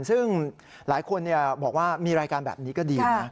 ซึ่งหลายคนบอกว่ามีรายการแบบนี้ก็ดีนะ